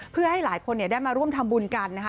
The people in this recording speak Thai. เพื่อให้หลายคนได้มาร่วมทำบุญกันนะคะ